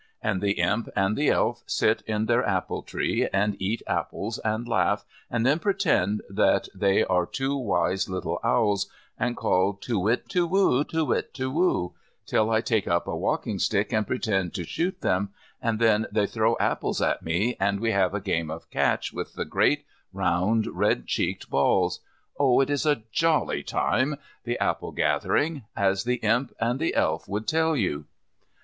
And the Imp and the Elf sit in their apple tree and eat apples and laugh and then pretend that they are two wise little owls and call tuwhit tuwhoo, tuwhit tuwhoo, till I take up a walking stick and pretend to shoot them, and then they throw apples at me and we have a game of catch with the great round red cheeked balls. Oh, it is a jolly time, the apple gathering, as the Imp and the Elf would tell you.